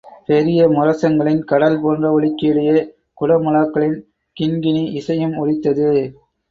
பெரிய முரசங்களின் கடல் போன்ற ஒலிக்கு இடையே, குடமுழாக்களின் கிண்கிணி இசையும் ஒலித்தது.